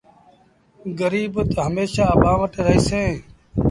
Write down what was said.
گريٚب تا هميشآ اڀآنٚ وٽ رهيٚسينٚ